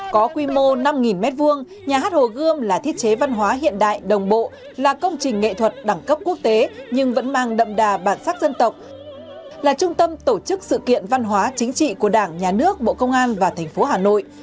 có quy mô năm m hai nhà hát hồ gươm là thiết chế văn hóa hiện đại đồng bộ là công trình nghệ thuật đẳng cấp quốc tế nhưng vẫn mang đậm đà bản sắc dân tộc là trung tâm tổ chức sự kiện văn hóa chính trị của đảng nhà nước bộ công an và thành phố hà nội